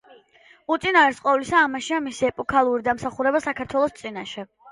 უწინარეს ყოვლისა, ამაშია მისი ეპოქალური დამსახურება საქართველოს წინაშე.